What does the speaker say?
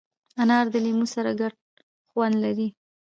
انار د لیمو سره ګډ خوند لري.